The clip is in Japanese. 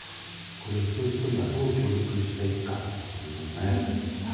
これを一人ひとりがどう協力していくかだと思いますね。